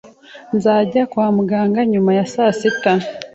Nzajya kwa muganga nyuma ya saa sita.